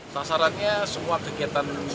sasarannya semua kegiatan